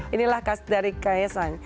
inilah khas dari kaisang